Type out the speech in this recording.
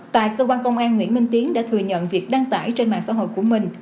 tại cơ quan công an nguyễn minh tiến đã thừa nhận việc đăng tải trên mạng xã hội của mình